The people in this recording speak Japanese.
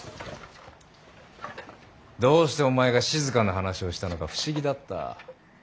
どうしてお前が静の話をしたのか不思議だった。